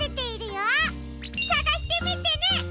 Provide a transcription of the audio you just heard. さがしてみてね！